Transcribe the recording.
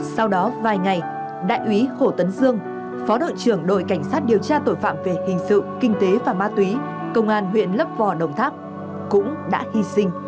sau đó vài ngày đại úy hồ tấn dương phó đội trưởng đội cảnh sát điều tra tội phạm về hình sự kinh tế và ma túy công an huyện lấp vò đồng tháp cũng đã hy sinh